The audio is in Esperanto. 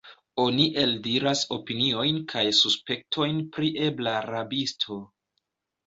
Oni eldiras opiniojn kaj suspektojn pri ebla rabisto.